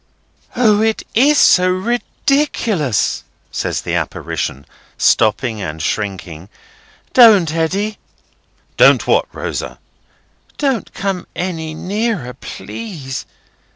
"O! it is so ridiculous!" says the apparition, stopping and shrinking. "Don't, Eddy!" "Don't what, Rosa?" "Don't come any nearer, please.